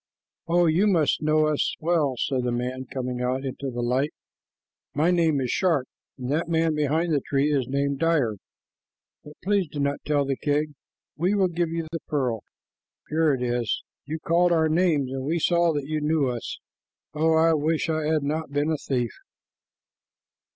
"Oh, you must know us well," said a man coming out into the light. "My name is Sharp, and that man behind the tree is named Dire, but please do not tell the king. We will give you the pearl; here it is. You called our names, and we saw that you knew us. Oh, I wish I had not been a thief!"